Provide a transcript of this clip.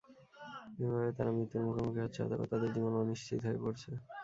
এভাবে তারা মৃত্যুর মুখোমুখি হচ্ছে অথবা তাদের জীবন অনিশ্চিত হয়ে পড়ছে।